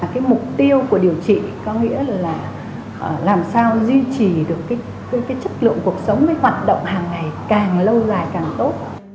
cái mục tiêu của điều trị có nghĩa là làm sao duy trì được cái chất lượng cuộc sống cái hoạt động hàng ngày càng lâu dài càng tốt